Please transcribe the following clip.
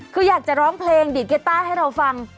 คืออยากจะร้องเพลงดีดเคต้าให้เราฟัง